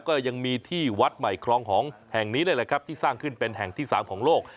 ก็ยังมีที่วัดใหม่คลองหองแห่งนี้เลยแหละครับที่สร้างขึ้นเป็นแห่งที่๓ของโลก